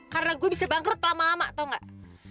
karena gue bisa bangkrut lama lama tau gak